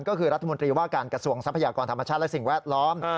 ก็คือรัฐมนตรีว่าการกระทรวงทรัพยากรธรรมชาติและสิ่งแวดล้อม